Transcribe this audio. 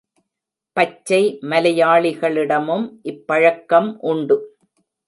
பச்சை மலையாளிகளிடமும் இப் பழக்கம் உண்டு.